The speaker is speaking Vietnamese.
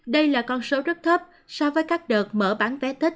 đây là con số rất thấp so với các đợt mở bán vé tết